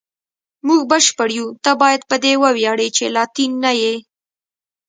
موږ بشپړ یو، ته باید په دې وویاړې چې لاتین نه یې.